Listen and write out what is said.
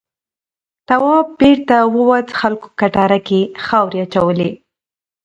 تواب بېرته ووت خلکو کټاره کې خاورې اچولې.